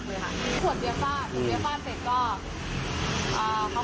สักครั้งนึงลูกน้องหนูที่นอนอยู่ในนี้